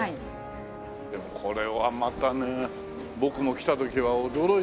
でもこれはまたねえ僕も来た時は驚いたんだけどねえ。